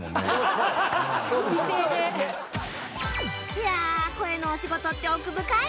いやあ声のお仕事って奥深い